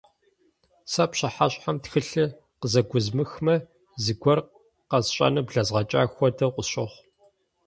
Сэ пщыхьэщхьэм тхылъыр къызэгуэзмыхмэ, зыгуэр къэсщӀэну блэзгъэкӀа хуэдэу къысщохъу.